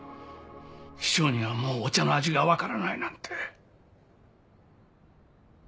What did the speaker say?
師匠にはもうお茶の味がわからないなんて。